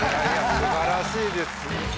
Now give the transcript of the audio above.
素晴らしいです。